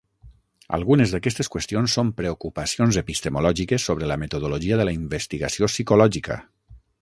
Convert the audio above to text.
Algunes d'aquestes qüestions són preocupacions epistemològiques sobre la metodologia de la investigació psicològica.